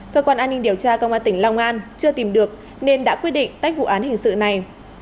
cơ quan an ninh điều tra công an tỉnh long an chưa tìm được nên đã quyết định tách vụ án hình sự này